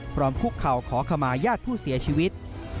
คุกเข่าขอขมาญาติผู้เสียชีวิต